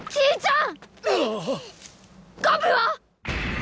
ん？